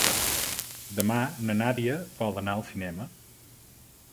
Demà na Nàdia vol anar al cinema.